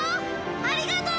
ありがとう！